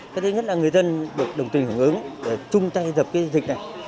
thứ nhất là người dân được đồng tình hưởng ứng để chung tay dập dịch này